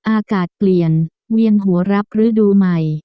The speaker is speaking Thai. อากาศเปลี่ยนเวียนหัวรับฤดูใหม่